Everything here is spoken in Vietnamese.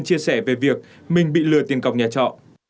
chia sẻ về việc mình bị lừa tiền cọc nhà trọ